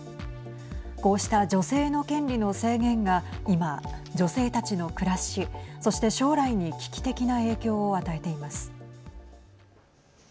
こうした女性の権利の制限が今、女性たちの暮らしそして将来に危機的な影響を与えています。